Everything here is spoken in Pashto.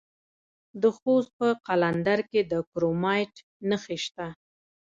د خوست په قلندر کې د کرومایټ نښې شته.